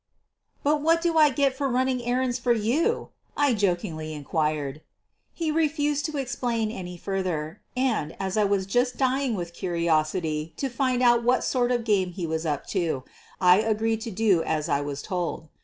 "But what do I get for running errands for you?" I jokingly inquired. He refused to explain any further, and, as I was just dying with curiosity to find out what sort of game he was up to, I agreed to do as I was told.